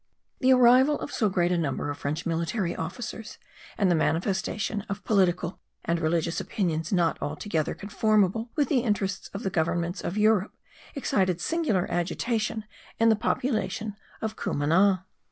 The arrival of so great a number of French military officers and the manifestation of political and religious opinions not altogether conformable with the interests of the governments of Europe excited singular agitation in the population of Cumana.